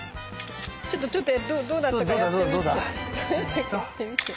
ちょっとちょっとどうだったかやってみて。